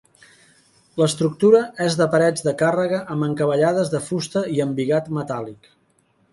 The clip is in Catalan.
L'estructura és de parets de càrrega amb encavallades de fusta i embigat metàl·lic.